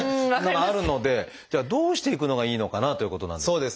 があるのでじゃあどうしていくのがいいのかなということなんですが。